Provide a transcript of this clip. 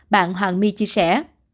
bạn hoàng my chia sẻ